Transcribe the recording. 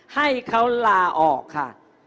ให้เขาลาออกค่ะ